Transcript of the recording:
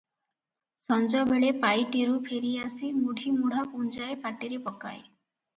ସଞ୍ଜବେଳେ ପାଇଟିରୁ ଫେରିଆସି ମୁଢ଼ିମୁଢ଼ା ପୁଞ୍ଜାଏ ପାଟିରେ ପକାଏ ।